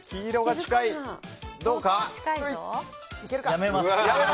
やめます。